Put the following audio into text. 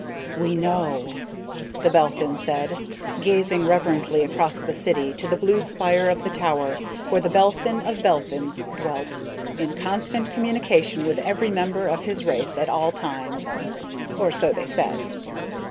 "We know," the Belphin said, gazing reverently across the city to the blue spire of the tower where The Belphin of Belphins dwelt, in constant communication with every member of his race at all times, or so they said.